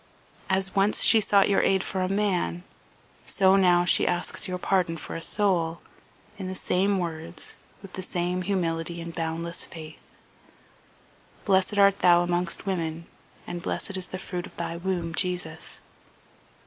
As once she sought your aid for a man, so now she asks your pardon for a soul, in the same words, with the same humility and boundless faith. "Blessed art Thou amongst women, and blessed is the fruit of Thy womb, Jesus."